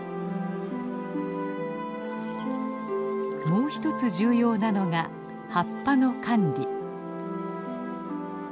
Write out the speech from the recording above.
もう一つ重要なのが葉っぱの管理。